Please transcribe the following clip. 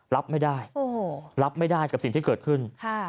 รับไม่ได้รับไม่ได้กับสิ่งที่เกิดขึ้น